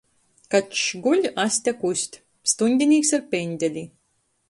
Kačs guļ, aste kust. Stuņdinīks ar pendeli.